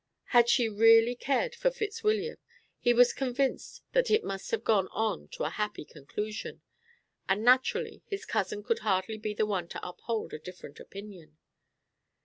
Had she really cared for Fitzwilliam, he was convinced that it must have gone on to a happy conclusion; and naturally his cousin could hardly be the one to uphold a different opinion.